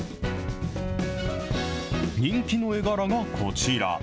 人気の絵柄がこちら。